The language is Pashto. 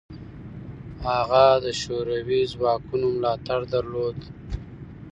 هغه د شوروي ځواکونو ملاتړ درلود.